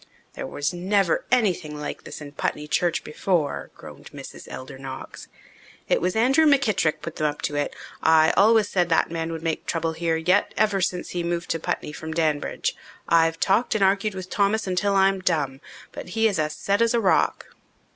"There was never anything like this in Putney church before," groaned Mrs. Elder Knox. "It was Andrew McKittrick put them up to it. I always said that man would make trouble here yet, ever since he moved to Putney from Danbridge. I've talked and argued with Thomas until I'm dumb, but he is as set as a rock."